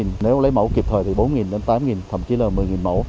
nếu lấy mẫu kịp thời từ bốn đến tám thậm chí là một mươi mẫu